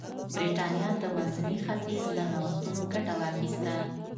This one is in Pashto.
برېټانیا د منځني ختیځ له نوښتونو ګټه واخیسته.